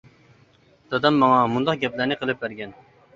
دادام ماڭا مۇنداق گەپلەرنى قىلىپ بەرگەن.